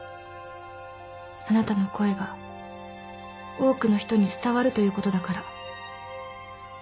あなたの声が多くの人に伝わるということだから。